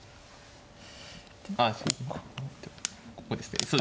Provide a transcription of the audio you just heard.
ここですね。